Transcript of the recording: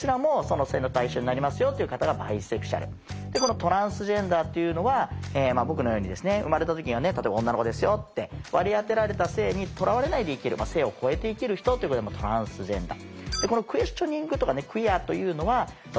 トランスジェンダーというのは僕のようにですね生まれた時には例えば女の子ですよって割り当てられた性にとらわれないで生きる性を超えて生きる人ということでトランスジェンダー。